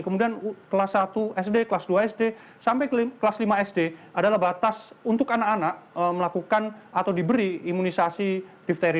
kemudian kelas satu sd kelas dua sd sampai kelas lima sd adalah batas untuk anak anak melakukan atau diberi imunisasi difteri